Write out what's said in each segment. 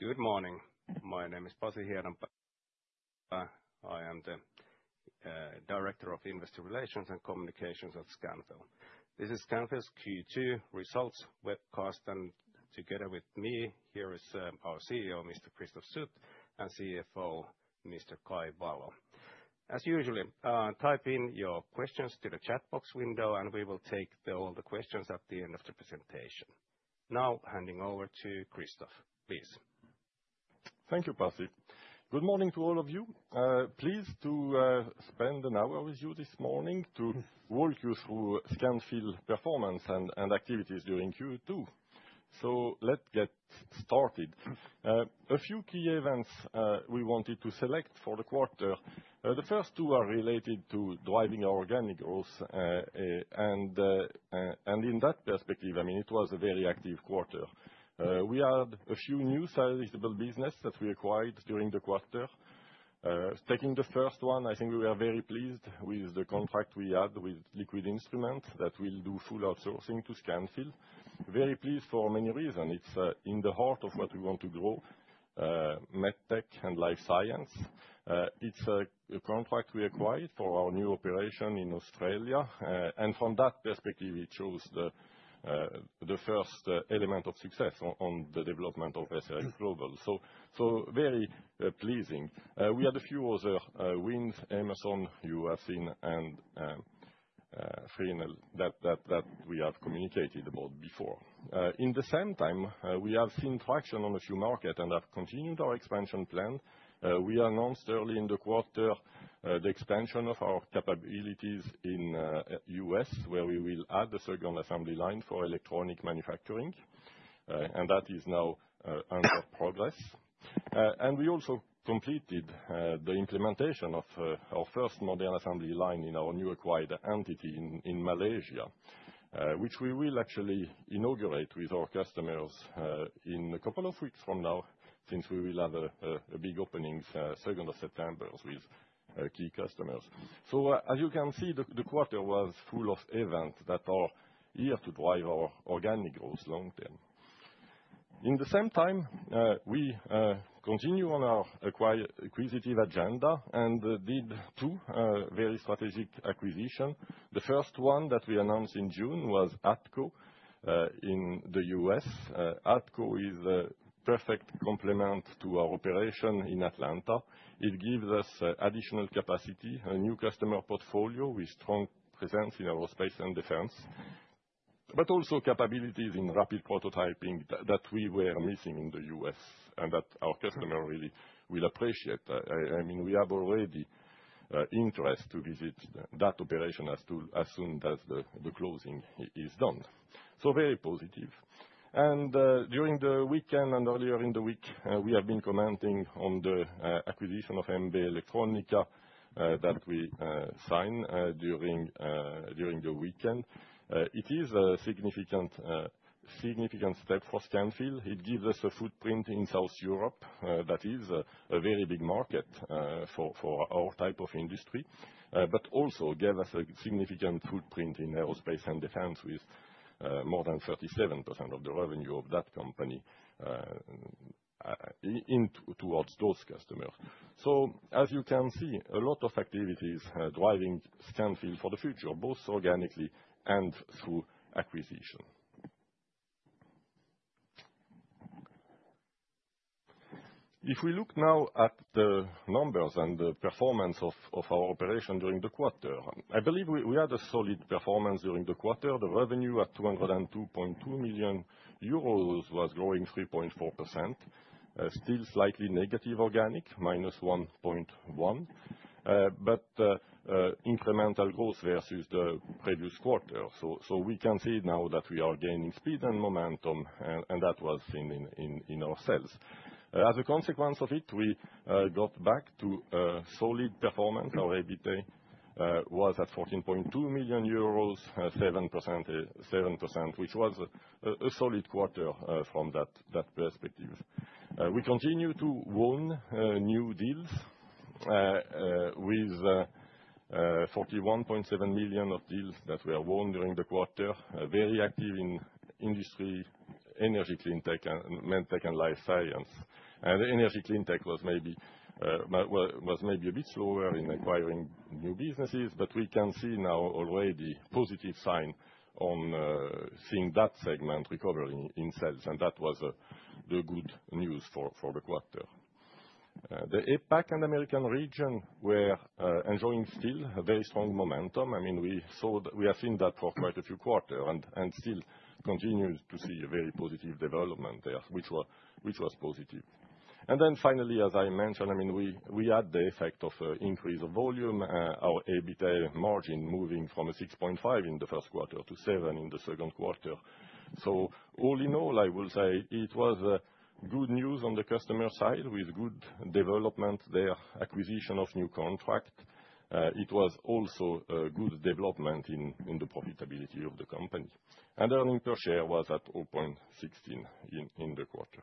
Good morning. My name is Pasi Hiedanpää. I am the Director of Investor Relations and Communications at Scanfil. This is Scanfil's Q2 results webcast, and together with me here is our CEO, Mr. Christophe Sut, and CFO, Mr. Kai Valo. As usual, type in your questions to the chat box window, and we will take all the questions at the end of the presentation. Now, handing over to Christophe, please. Thank you, Pasi. Good morning to all of you. Pleased to spend an hour with you this morning to walk you through Scanfil's performance and activities during Q2. Let's get started. A few key events we wanted to select for the quarter. The first two are related to driving our organic growth, and in that perspective, it was a very active quarter. We had a few new sizes of businesses that we acquired during the quarter. Taking the first one, I think we were very pleased with the contract we had with Liquid Instruments that will do full outsourcing to Scanfil. Very pleased for many reasons. It's in the heart of what we want to grow: medtech and life science. It's a contract we acquired for our new operation in Australia, and from that perspective, it shows the first element of success on the development of SRXGlobal. Very pleasing. We had a few other wins: Amazon, you have seen, and Freemelt that we have communicated about before. At the same time, we have seen traction on a few markets and have continued our expansion plan. We announced early in the quarter the expansion of our capabilities in the U.S., where we will add the second assembly line for electronics manufacturing, and that is now under progress. We also completed the implementation of our first modern assembly line in our newly acquired entity in Malaysia, which we will actually inaugurate with our customers in a couple of weeks from now since we will have a big opening 2nd of September with key customers. As you can see, the quarter was full of events that are here to drive our organic growth long term. At the same time, we continue on our acquisitive agenda and did two very strategic acquisitions. The first one that we announced in June was ADCO in the U.S. ADCO is a perfect complement to our operation in Atlanta. It gives us additional capacity, a new customer portfolio with strong presence in aerospace and defense, but also capabilities in rapid prototyping that we were missing in the U.S. and that our customer really will appreciate. We have already interest to visit that operation as soon as the closing is done. Very positive. During the weekend and earlier in the week, we have been commenting on the acquisition of MB Elettronica that we signed during the weekend. It is a significant step for Scanfil. It gives us a footprint in South Europe that is a very big market for our type of industry, but also gave us a significant footprint in aerospace and defense with more than 37% of the revenue of that company towards those customers. As you can see, a lot of activities driving Scanfil for the future, both organically and through acquisition. If we look now at the numbers and the performance of our operation during the quarter, I believe we had a solid performance during the quarter. The revenue at 202.2 million euros was growing 3.4%. Still slightly negative organic, -1.1%, but incremental growth versus the previous quarter. We can see now that we are gaining speed and momentum, and that was seen in our sales. As a consequence of it, we got back to solid performance. Our EBITDA was at 14.2 million euros, 7%, which was a solid quarter from that perspective. We continue to win new deals with 41.7 million of deals that were won during the quarter. Very active in industry, energy cleantech, medtech, and life science. The energy cleantech was maybe a bit slower in acquiring new businesses, but we can see now already positive signs on seeing that segment recovering in sales, and that was the good news for the quarter. The APAC and the American region were enjoying still a very strong momentum. I mean, we have seen that for quite a few quarters and still continue to see a very positive development there, which was positive. Finally, as I mentioned, I mean, we had the effect of an increase of volume, our EBITDA margin moving from 6.5% in the first quarter to 7% in the second quarter. All in all, I will say it was good news on the customer side with good development there, acquisition of new contracts. It was also a good development in the profitability of the company. Earning per share was at 0.16 in the quarter.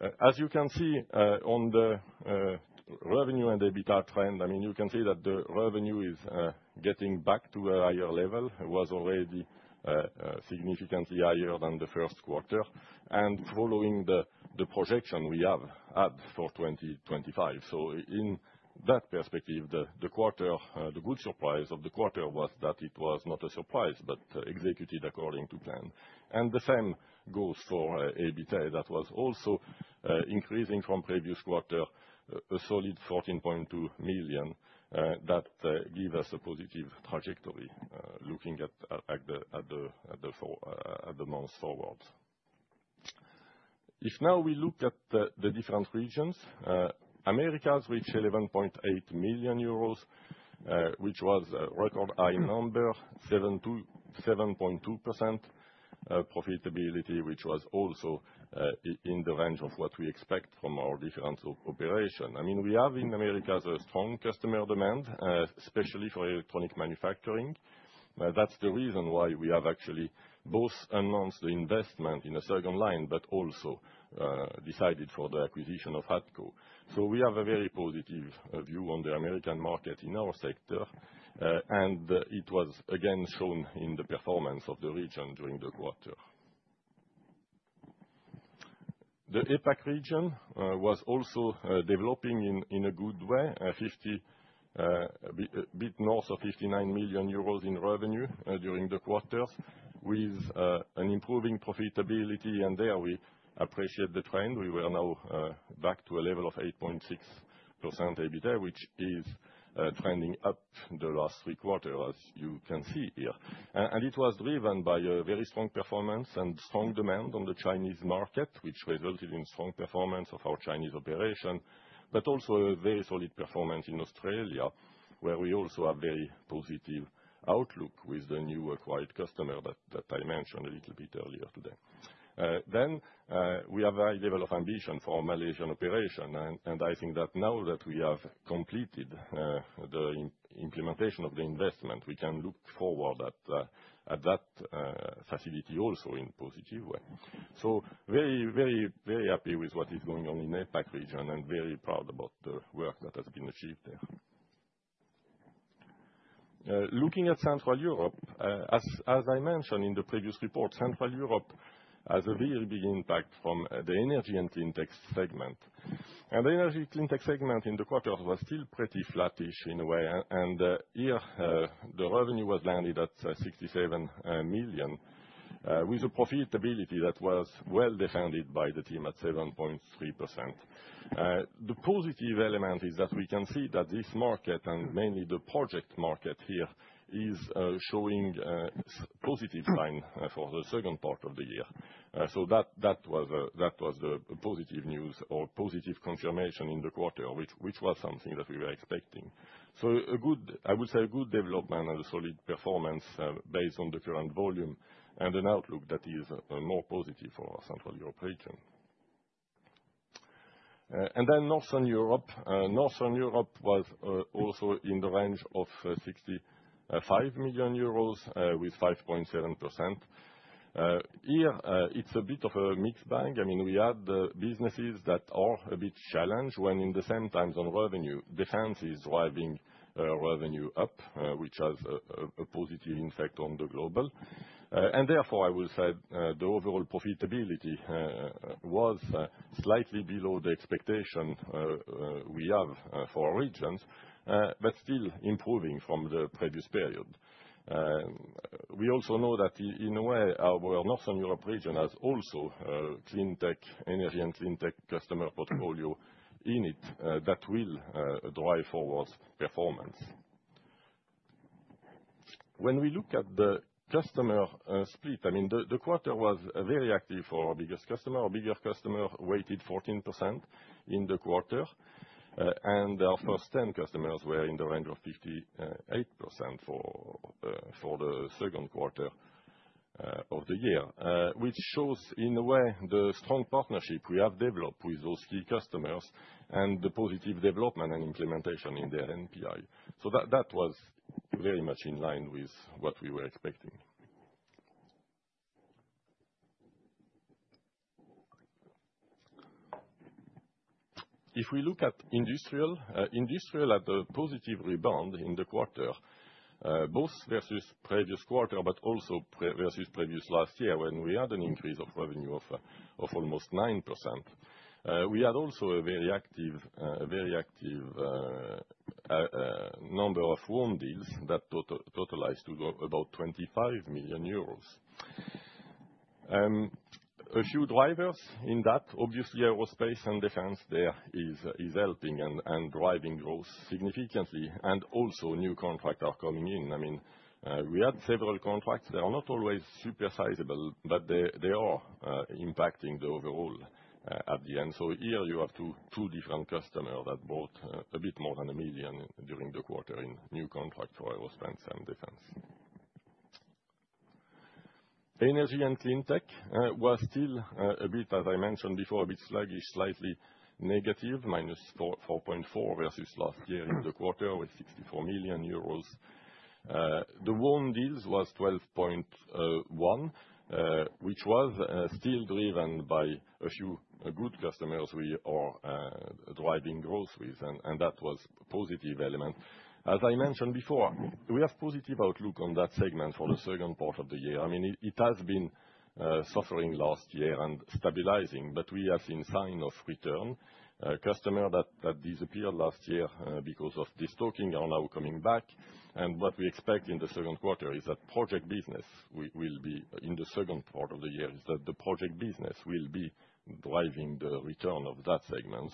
As you can see on the revenue and EBITDA trend, I mean, you can see that the revenue is getting back to a higher level. It was already significantly higher than the first quarter and following the projection we have for 2025. In that perspective, the good surprise of the quarter was that it was not a surprise, but executed according to plan. The same goes for EBITDA. That was also increasing from the previous quarter, a solid 14.2 million. That gave us a positive trajectory looking at the months forward. If now we look at the different regions, America reached 11.8 million euros, which was a record high number, 7.2% profitability, which was also in the range of what we expect from our different operations. I mean, we have in America a strong customer demand, especially for electronics manufacturing. That's the reason why we have actually both announced the investment in a second line, but also decided for the acquisition of ADCO. We have a very positive view on the American market in our sector, and it was again shown in the performance of the region during the quarter. The APAC region was also developing in a good way, a bit north of 59 million euros in revenue during the quarter with an improving profitability, and there we appreciate the trend. We were now back to a level of 8.6% EBITDA, which is trending up the last three quarters, as you can see here. It was driven by a very strong performance and strong demand on the Chinese market, which resulted in strong performance of our Chinese operation, but also a very solid performance in Australia, where we also have a very positive outlook with the new acquired customer that I mentioned a little bit earlier today. We have a high level of ambition for our Malaysian operation, and I think that now that we have completed the implementation of the investment, we can look forward at that facility also in a positive way. Very, very, very happy with what is going on in the APAC region and very proud about the work that has been achieved there. Looking at Central Europe, as I mentioned in the previous report, Central Europe has a very big impact from the energy and cleantech segment. The energy cleantech segment in the quarter was still pretty flattish in a way, and here the revenue was landed at 67 million with a profitability that was well defended by the team at 7.3%. The positive element is that we can see that this market, and mainly the project market here, is showing a positive line for the second part of the year. That was the positive news or positive confirmation in the quarter, which was something that we were expecting. I would say a good development and a solid performance based on the current volume and an outlook that is more positive for our Central Europe region. Northern Europe was also in the range of 65 million euros with 5.7%. Here, it's a bit of a mixed bag. I mean, we had businesses that are a bit challenged when in the same times on revenue, defense is driving revenue up, which has a positive impact on the global. Therefore, I will say the overall profitability was slightly below the expectation we have for regions, but still improving from the previous period. We also know that in a way, our Northern Europe region has also a cleantech, energy and cleantech customer portfolio in it that will drive forward performance. When we look at the customer split, I mean, the quarter was very active for our biggest customer. Our biggest customer weighted 14% in the quarter, and our first 10 customers were in the range of 58% for the second quarter of the year, which shows in a way the strong partnership we have developed with those key customers and the positive development and implementation in their NPI. That was very much in line with what we were expecting. If we look at industrial, industrial had a positive rebound in the quarter, both versus the previous quarter, but also versus previous last year when we had an increase of revenue of almost 9%. We had also a very active number of formed deals that totalized about 25 million euros. A few drivers in that, obviously, aerospace and defense there is helping and driving growth significantly, and also new contracts are coming in. I mean, we had several contracts. They are not always super sizable, but they are impacting the overall at the end. Here you have two different customers that brought a bit more than a million during the quarter in new contracts for aerospace and defense. Energy and cleantech was still a bit, as I mentioned before, a bit sluggish, slightly negative, -4.4% versus last year in the quarter with 64 million euros. The warm deals were 12.1%, which was still driven by a few good customers who are driving growth, and that was a positive element. As I mentioned before, we have a positive outlook on that segment for the second part of the year. It has been suffering last year and stabilizing, but we have seen signs of return. Customers that disappeared last year because of the stocking are now coming back. What we expect in the second quarter is that project business will be in the second part of the year, is that the project business will be driving the return of that segment.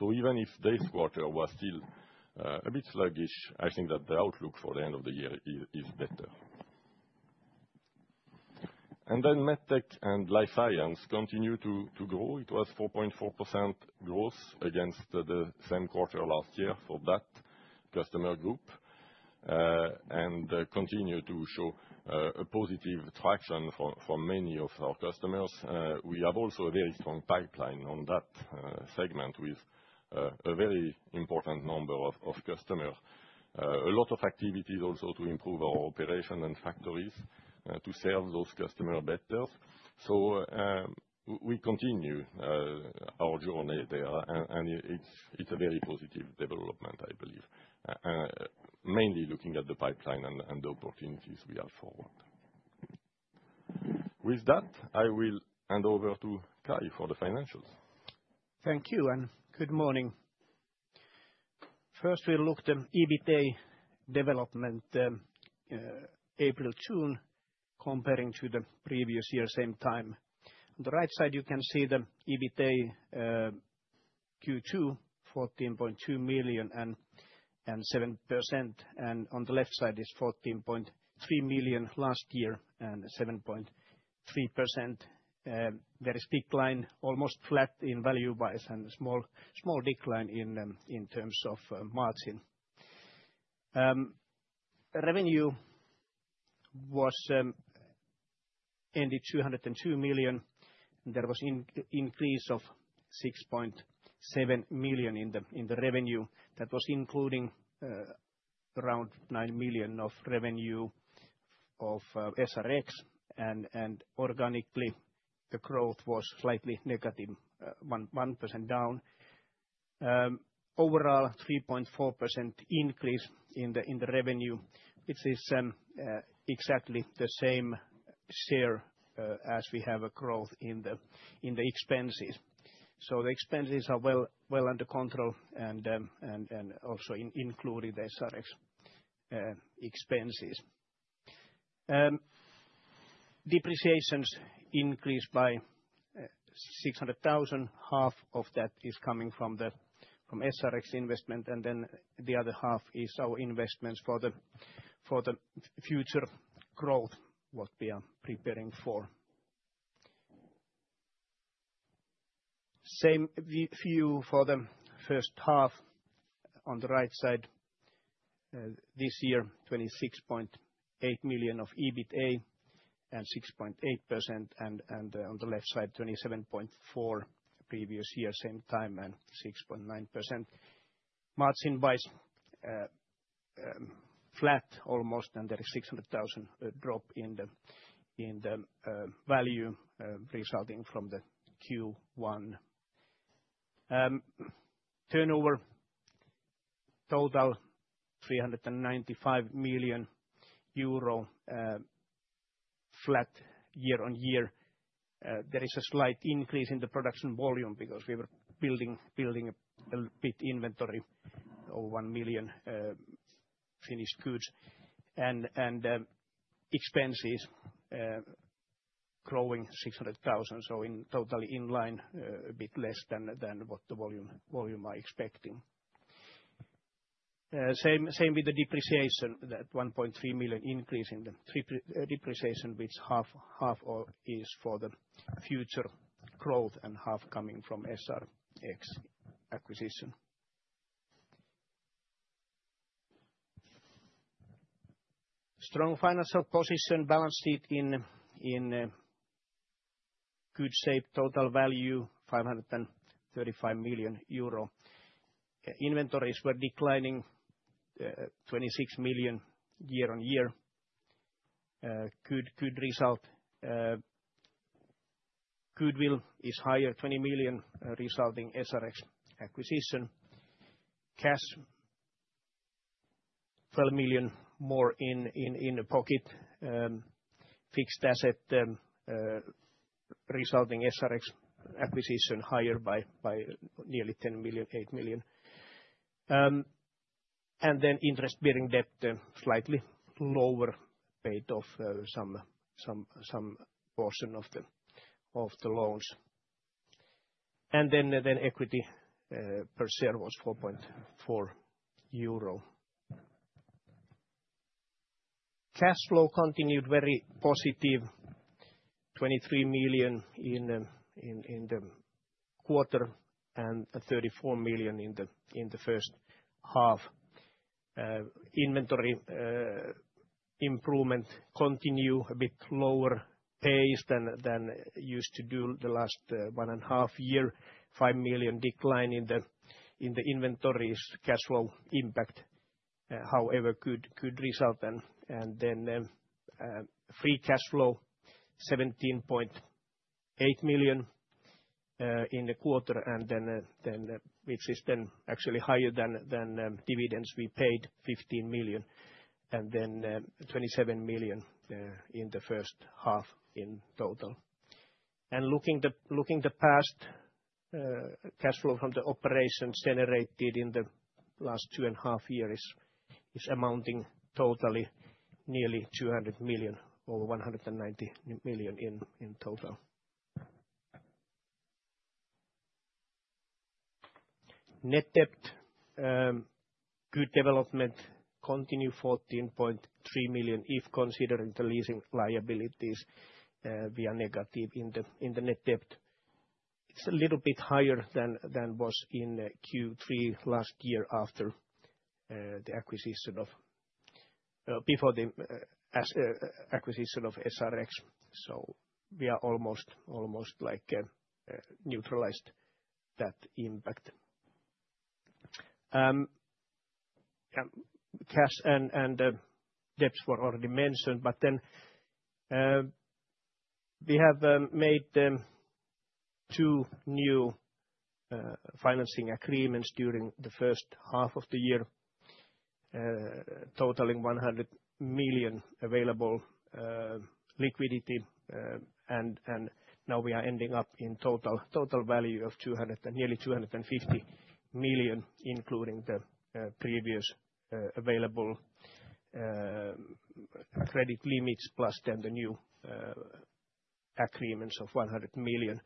Even if the third quarter was still a bit sluggish, I think that the outlook for the end of the year is better. Medtech and life science continue to grow. It was 4.4% growth against the same quarter last year for that customer group and continued to show a positive traction for many of our customers. We have also a very strong pipeline on that segment with a very important number of customers. A lot of activities also to improve our operation and factories to serve those customers better. We continue our journey there, and it's a very positive development, I believe, mainly looking at the pipeline and the opportunities we have forward. With that, I will hand over to Kai for the financials. Thank you and good morning. First, we'll look at the EBITDA development April-June comparing to the previous year, same time. On the right side, you can see the EBITDA Q2: 14.2 million and 7%, and on the left side is 14.3 million last year and 7.3%. Very steep line, almost flat in value-wise and small decline in terms of margin. Revenue was ended 202 million. There was an increase of 6.7 million in the revenue. That was including around 9 million of revenue of SRX, and organically, the growth was slightly negative, 1% down. Overall, 3.4% increase in the revenue. This is exactly the same share as we have a growth in the expenses. The expenses are well under control and also included the SRX expenses. Depreciations increased by 600,000. Half of that is coming from SRX investment, and then the other half is our investments for the future growth, what we are preparing for. Same view for the first half. On the right side, this year, 26.8 million of EBITDA and 6.8%, and on the left side, 27.4 million previous year, same time, and 6.9%. Margin-wise, flat almost, and there is 600,000 drop in the value resulting from the Q1. Turnover total, EUR 395 million, flat year-on-year. There is a slight increase in the production volume because we were building a big inventory of 1 million finished goods, and expenses growing 600,000. Totally in line, a bit less than what the volume I expected. Same with the depreciation, that 1.3 million increase in the depreciation, which half is for the future growth and half coming from SRX acquisition. Strong financial position, balance sheet in good shape, total value 535 million euro. Inventories were declining 26 million year-on-year. Good result. Goodwill is higher, 20 million resulting SRX acquisition. Cash, 12 million more in the pocket. Fixed asset resulting SRX acquisition higher by nearly 10 million, 8 million. Interest bearing debt slightly lower, paid off some portion of the loans. Equity per share was 4.4 euro. Cash flow continued very positive, 23 million in the quarter and 34 million in the first half. Inventory improvement continued a bit lower pace than it used to do the last one and a half year. 5 million decline in the inventories, cash flow impact, however, good result. Free cash flow, 17.8 million in the quarter, which is then actually higher than dividends we paid, 15 million. 27 million in the first half in total. Looking at the past, cash flow from the operations generated in the last two and a half years is amounting totally nearly 200 million or 190 million in total. Net debt, good development, continued 14.3 million if considering the leasing liabilities. We are negative in the net debt. It's a little bit higher than it was in Q3 last year after the acquisition of SRX. We are almost like neutralized that impact. Cash and debts were already mentioned, but we have made two new financing agreements during the first half of the year, totaling EUR 100 million available liquidity. Now we are ending up in total value of nearly 250 million, including the previous available credit limits plus the new agreements of 100 million.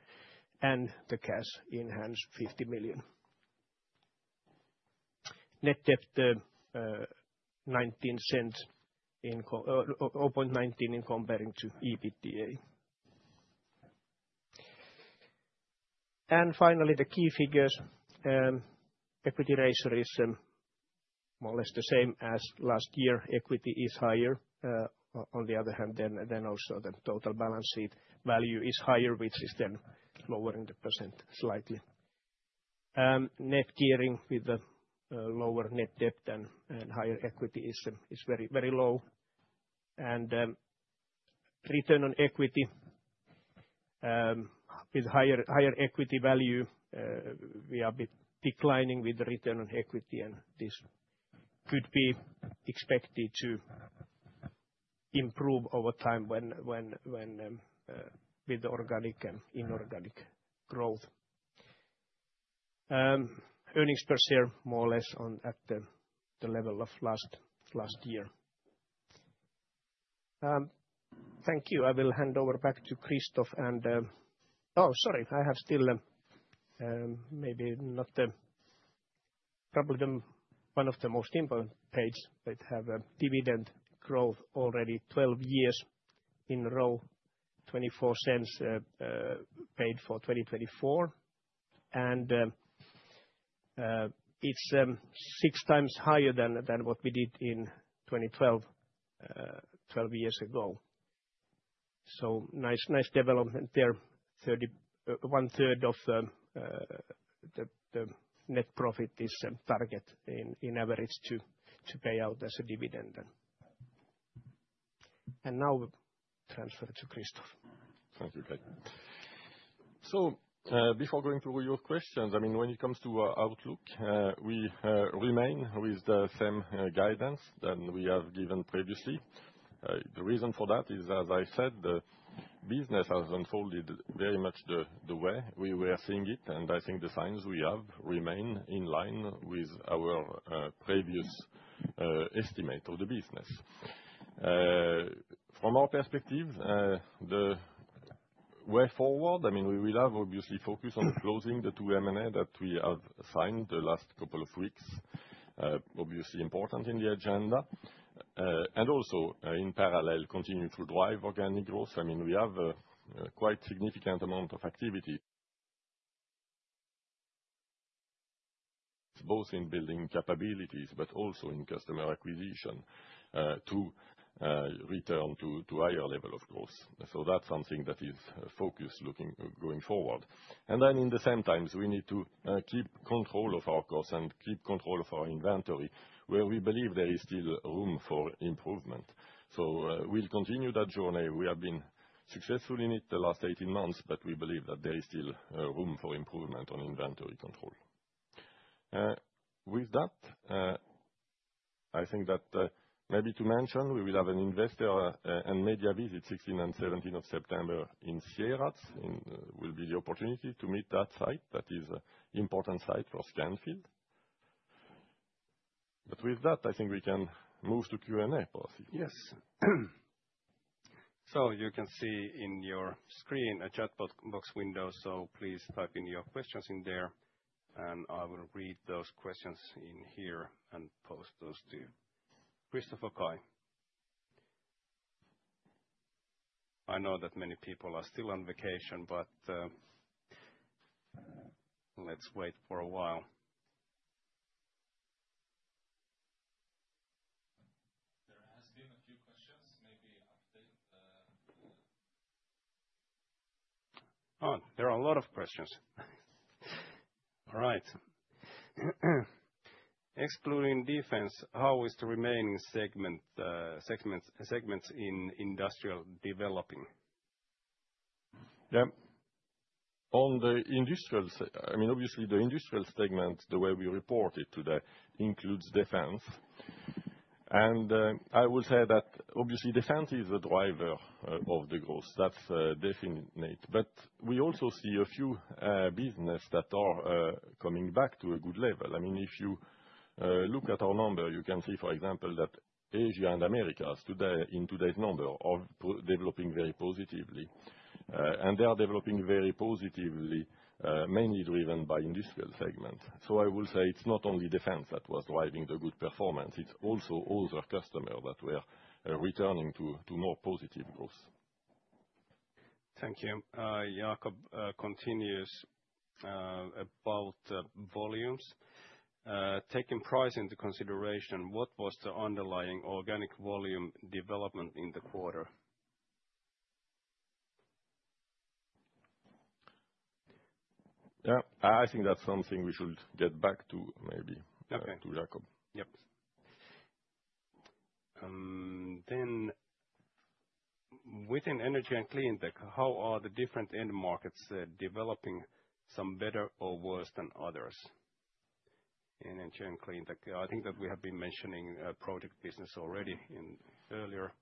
The cash in hands, 50 million. Net debt, 0.19 in comparing to EBITDA. Finally, the key figures. Equity ratio is more or less the same as last year. Equity is higher, on the other hand, and also the total balance sheet value is higher, which is then lowering the percent slightly. Net gearing with a lower net debt and higher equity is very, very low. Return on equity, with higher equity value, we are declining with the return on equity, and this could be expected to improve over time with the organic and inorganic growth. Earnings per share, more or less, on at the level of last year. Thank you. I will hand over back to Christophe. Oh, sorry, I have still maybe not the probably one of the most important points. They have a dividend growth already 12 years in a row, 0.24 paid for 2024. It's 6x higher than what we did in 2012, 12 years ago. Nice development there. One-third of the net profit is a target in average to pay out as a dividend. Now, we'll transfer to Christophe. Thank you, Kai. Before going through your questions, when it comes to our outlook, we remain with the same guidance that we have given previously. The reason for that is, as I said, the business has unfolded very much the way we were seeing it, and I think the signs we have remain in line with our previous estimate of the business. From our perspective, the way forward, we will obviously focus on closing the two M&A that we have signed the last couple of weeks, which is important in the agenda. Also, in parallel, we continue to drive organic growth. We have a quite significant amount of activity, both in building capabilities and in customer acquisition to return to a higher level of growth. That is something that is focused looking going forward. At the same time, we need to keep control of our costs and keep control of our inventory, where we believe there is still room for improvement. We will continue that journey. We have been successful in it the last 18 months, but we believe that there is still room for improvement on inventory control. With that, maybe to mention, we will have an investor and media visit on the 16th and 17th of September in Sierras. It will be the opportunity to meet that site. That is an important site for Scanfil. With that, I think we can move to Q&A, Pasi. Yes. You can see on your screen a chat box window, so please type in your questions there, and I will read those questions here and post those to you. Christophe, Kai, I know that many people are still on vacation, but let's wait for a while. There have been a few questions, maybe update the. There are a lot of questions. All right. Exploring defense, how is the remaining segments in industrial developing? Yeah. On the industrial side, I mean, obviously, the industrial segment, the way we report it today, includes defense. I will say that obviously, defense is the driver of the growth. That's definite. We also see a few businesses that are coming back to a good level. I mean, if you look at our number, you can see, for example, that Asia and America, in today's number, are developing very positively. They are developing very positively, mainly driven by the industrial segment. I will say it's not only defense that was driving the good performance. It's also all the customers that were returning to more positive growth. Thank you. Jacob continues about volumes. Taking price into consideration, what was the underlying organic volume development in the quarter? I think that's something we should get back to, maybe back to Jacob. Within energy and cleantech, how are the different end markets developing, some better or worse than others in energy and cleantech? I think that we have been mentioning project business already earlier.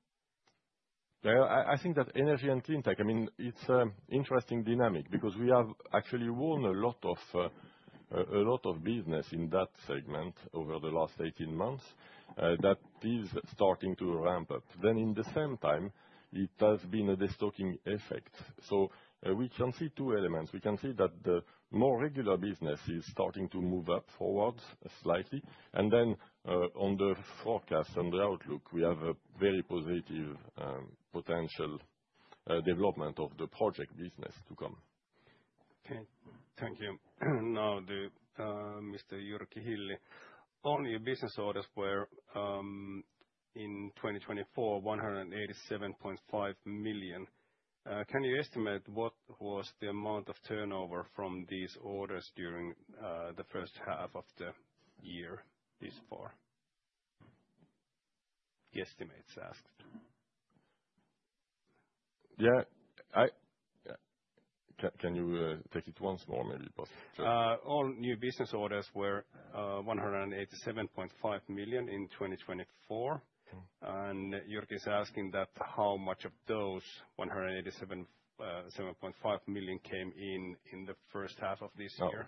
Yeah. I think that energy and cleantech, I mean, it's an interesting dynamic because we have actually won a lot of business in that segment over the last 18 months. That is starting to ramp up. In the same time, it has been a stocking effect. We can see two elements. We can see that the more regular business is starting to move up forward slightly. On the forecast and the outlook, we have a very positive potential development of the project business to come. Okay. Thank you. Now, Mr. [Riku Hynninen], all your business orders were in 2024, 187.5 million. Can you estimate what was the amount of turnover from these orders during the first half of the year this far? The estimates ask. Can you take it once more, maybe? All new business orders were 187.5 million in 2024. Jorki is asking how much of those 187.5 million came in in the first half of this year.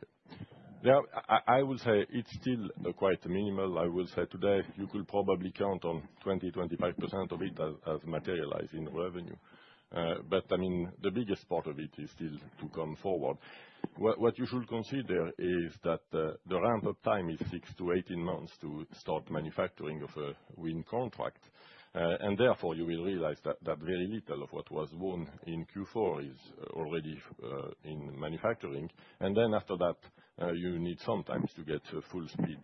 Yeah. I will say it's still quite minimal. I will say today, you could probably count on 20%-25% of it as materialized in revenue. The biggest part of it is still to come forward. What you should consider is that the ramp-up time is 6 months-18 months to start manufacturing of a wind contract. Therefore, you will realize that very little of what was won in Q4 is already in manufacturing. After that, you need sometimes to get full speed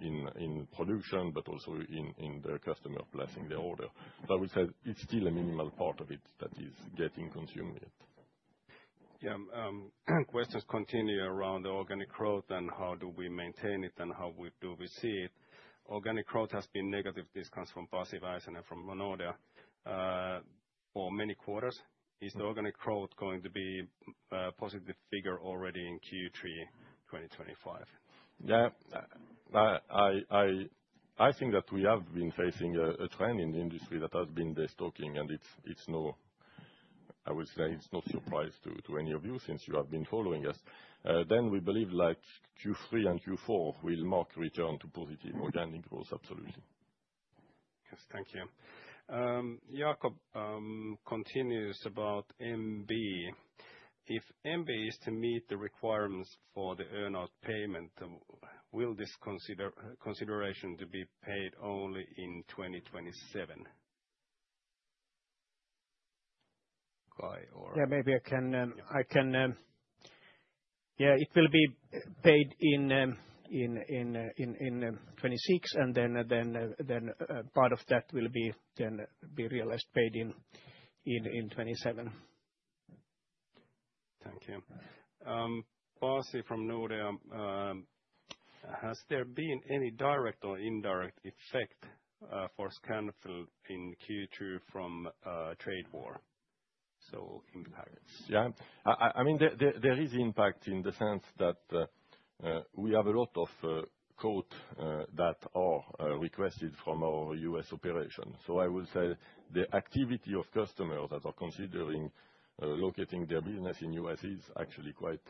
in production, but also in the customer placing the order. I would say it's still a minimal part of it that is getting consumed yet. Questions continue around the organic growth and how do we maintain it and how do we see it. Organic growth has been negative, discounts from [Pasi and from Monodia] for many quarters. Is the organic growth going to be a positive figure already in Q3 2025? I think that we have been facing a trend in the industry that has been the stocking, and I would say it's no surprise to any of you since you have been following us. We believe Q3 and Q4 will mark return to positive organic growth, absolutely. Yes. Thank you. Jacob continues about MB. If MB Elettronica s.r.l. is to meet the requirements for the earnout payment, will this consideration to be paid only in 2027? By or. It will be paid in 2026, and then part of that will then be realized paid in 2027. Thank you. Pasi, from Nordea, has there been any direct or indirect effect for Scanfil in Q2 from trade war? Yeah. I mean, there is impact in the sense that we have a lot of quotes that are requested from our U.S. operations. I will say the activity of customers that are considering locating their business in the U.S. is actually quite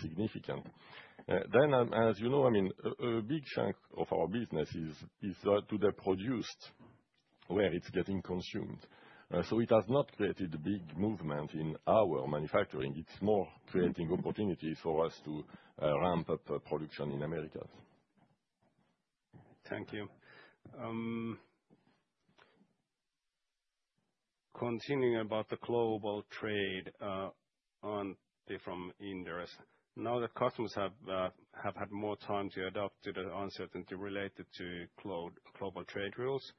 significant. As you know, a big chunk of our business is to produce where it's getting consumed. It has not created big movements in our manufacturing. It's more creating opportunities for us to ramp up production in America. Thank you. Continuing about the global trade, on different interests. Now that customers have had more time to adapt to the uncertainty related to global trade rules,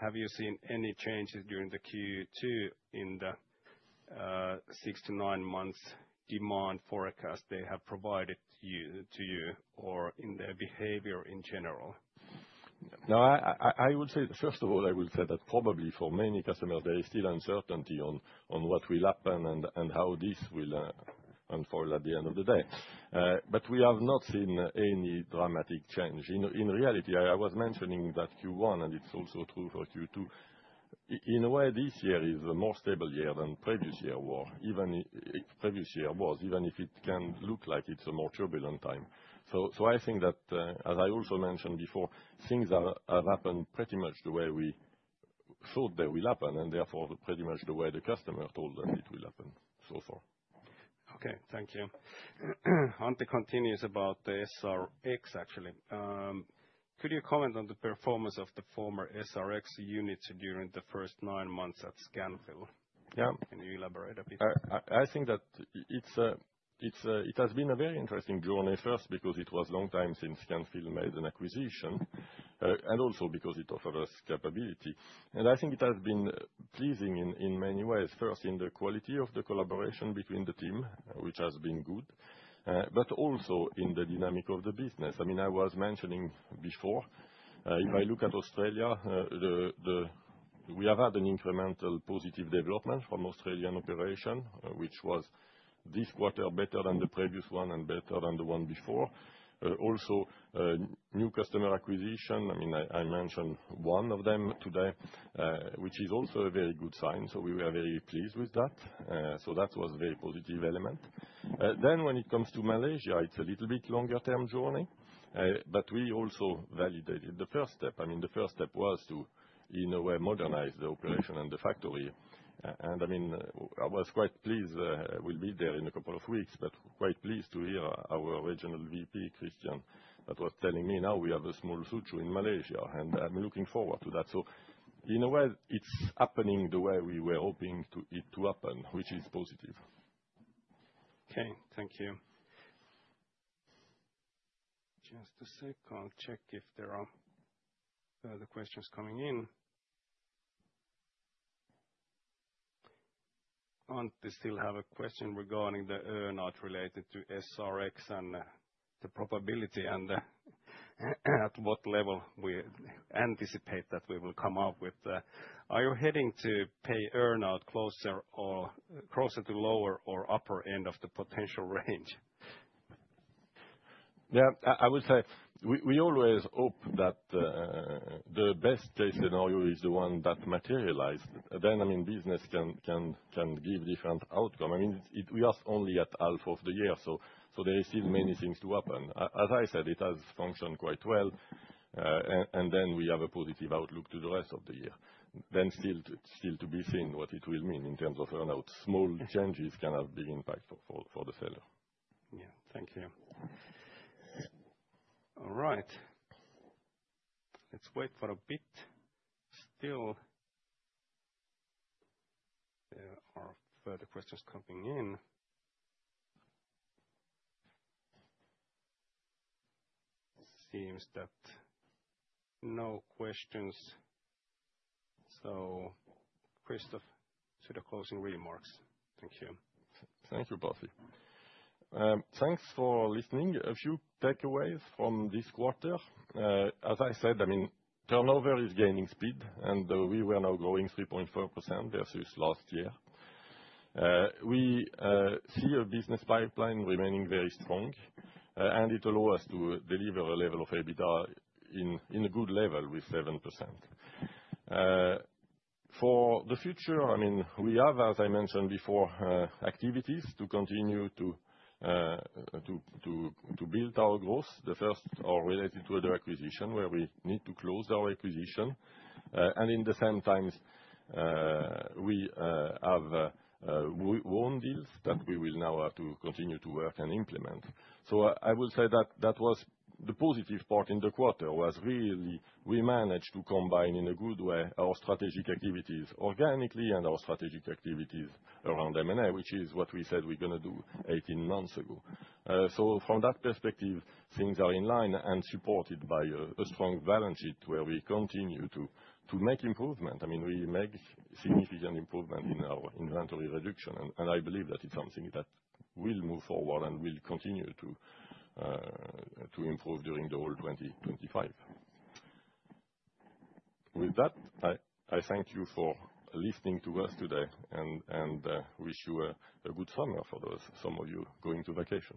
have you seen any changes during Q2 in the six to nine months demand forecast they have provided to you, or in their behavior in general? No, I would say, first of all, I would say that probably for many customers, there is still uncertainty on what will happen and how this will unfold at the end of the day. We have not seen any dramatic change. In reality, I was mentioning that Q1, and it's also true for Q2, in a way, this year is a more stable year than previous year was, even if it can look like it's a more turbulent time. I think that, as I also mentioned before, things have happened pretty much the way we thought they will happen, and therefore, pretty much the way the customer told that it will happen. Okay. Thank you. Hunter continues about the SRX, actually. Could you comment on the performance of the former SRX units during the first nine months at Scanfil? Yeah. Can you elaborate a bit? I think that it has been a very interesting journey, first because it was a long time since Scanfil made an acquisition and also because it offered us capability. I think it has been pleasing in many ways. First, in the quality of the collaboration between the team, which has been good, but also in the dynamic of the business. I mean, I was mentioning before, if I look at Australia, we have had an incremental positive development from Australian operation, which was this quarter better than the previous one and better than the one before. Also, new customer acquisition. I mean, I mentioned one of them today, which is also a very good sign. We were very pleased with that. That was a very positive element. When it comes to Malaysia, it's a little bit longer-term journey, but we also validated the first step. The first step was to, in a way, modernize the operation and the factory. I was quite pleased. We'll be there in a couple of weeks, but quite pleased to hear our Regional VP, Christina, that was telling me now we have a small Sut in Malaysia, and I'm looking forward to that. In a way, it's happening the way we were hoping it to happen, which is positive. Okay. Thank you. Just a sec. I'll check if there are other questions coming in. I want to still have a question regarding the earnout related to SRX and the probability and at what level we anticipate that we will come up with. Are you heading to pay earnout closer to lower or upper end of the potential range? Yeah. I would say we always hope that the best case scenario is the one that materializes. I mean, business can give different outcomes. We are only at half of the year, so there are still many things to happen. As I said, it has functioned quite well, and we have a positive outlook to the rest of the year. It is still to be seen what it will mean in terms of earnout. Small changes can have a big impact for the seller. Thank you. All right. Let's wait for a bit. Still, there are further questions coming in. Seems that no questions. Christophe, to the closing remarks. Thank you. Thank you, Pasi. Thanks for listening. A few takeaways from this quarter. As I said, turnover is gaining speed, and we were now growing 3.4% versus last year. We see a business pipeline remaining very strong, and it allows us to deliver a level of EBITDA in a good level with 7%. For the future, we have, as I mentioned before, activities to continue to build our growth. The first are related to the acquisition where we need to close our acquisition. At the same time, we have won deals that we will now have to continue to work and implement. I will say that the positive part in the quarter was really we managed to combine in a good way our strategic activities organically and our strategic activities around M&A, which is what we said we're going to do 18 months ago. From that perspective, things are in line and supported by a strong balance sheet where we continue to make improvement. We make significant improvement in our inventory reduction, and I believe that it's something that will move forward and will continue to improve during the whole 2025. With that, I thank you for listening to us today and wish you a good summer for those, some of you going to vacation.